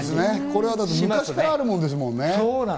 これは昔からあるもんですもんね。